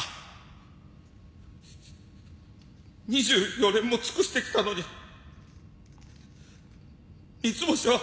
２４年も尽くしてきたのに三ツ星は。